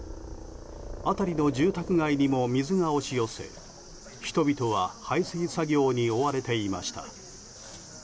辺りの住宅街にも水が押し寄せ人々は排水作業に追われていました。